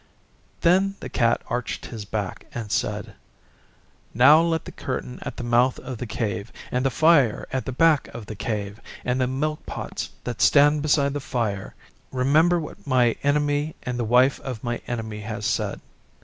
Then the Cat arched his back and said, 'Now let the Curtain at the mouth of the Cave, and the Fire at the back of the Cave, and the Milk pots that stand beside the Fire, remember what my Enemy and the Wife of my Enemy has said.